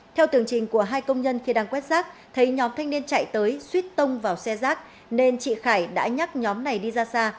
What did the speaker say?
theo tường trình của hai công nhân khi đang quét rác thấy nhóm thanh niên chạy tới suýt tông vào xe rác nên chị khải đã nhắc nhóm này đi ra xa